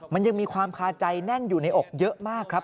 มันยังมีความคาใจแน่นอยู่ในอกเยอะมากครับ